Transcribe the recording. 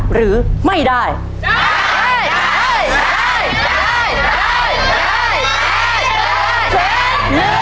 ครอบครับ